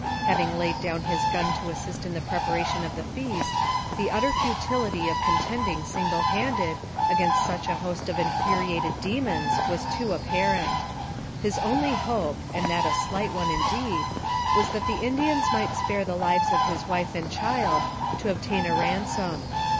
Having laid down his gun to assist in the preparation of the feast, the utter futility of contending single handed against such a host, of infuriated demons was too apparent. His only hope, and that a slight one indeed, was that the Indians might spare the lives of his wife and child, to obtain a ransom.